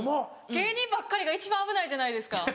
芸人ばっかりが一番危ないじゃないですか。